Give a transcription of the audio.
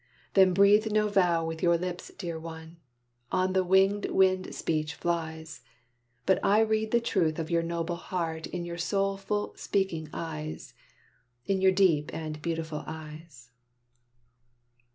Then breathe no vow with your lips, dear one; On the wingèd wind speech flies. But I read the truth of your noble heart In your soulful, speaking eyes In your deep and beautiful eyes.